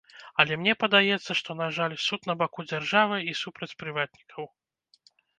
Але мне падаецца, што, на жаль, суд на баку дзяржавы і супраць прыватнікаў.